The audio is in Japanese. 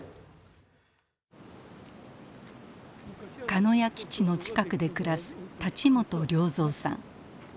鹿屋基地の近くで暮らす立元良三さん。